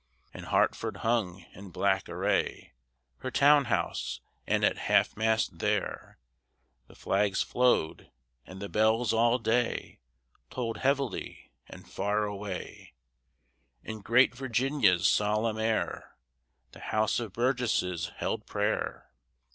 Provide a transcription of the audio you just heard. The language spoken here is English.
And Hartford hung, in black array, Her town house, and at half mast there The flags flowed, and the bells all day Tolled heavily; and far away In great Virginia's solemn air The House of Burgesses held prayer.